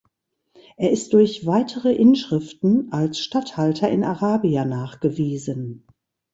Er ist durch weitere Inschriften als Statthalter in Arabia nachgewiesen.